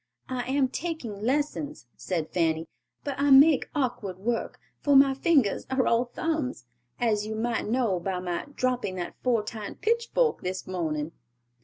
"I am taking lessons," said Fanny, "but I make awkward work, for my fingers are all thumbs, as you might know by my dropping that four tined pitchfork this morning!"